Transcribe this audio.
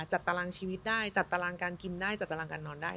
ตารางชีวิตได้จัดตารางการกินได้จัดตารางการนอนได้